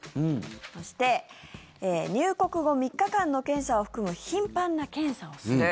そして入国後３日間の検査を含む頻繁な検査をする。